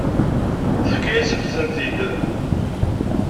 Tefka-yasent-tent-id.